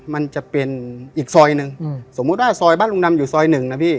มันจะเป็นอีกซอยหนึ่งสมมุติว่าซอยบ้านลุงดำอยู่ซอยหนึ่งนะพี่